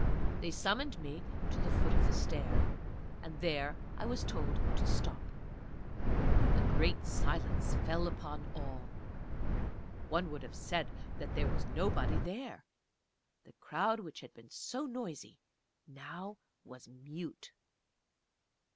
They summoned me to the foot of the stair, and there I was told to stop. A great silence fell upon all. One would have said that there was nobody there. The crowd which had been so noisy now was mute.